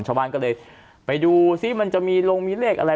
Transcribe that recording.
ชาวบ้านก็เลยไปดูซิมันจะมีลงมีเลขอะไร